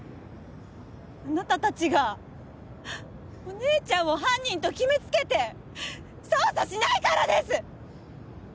あなた達がお姉ちゃんを犯人と決めつけて捜査しないからです！